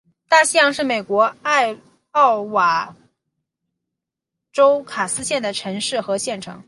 大西洋是美国艾奥瓦州卡斯县的城市和县城。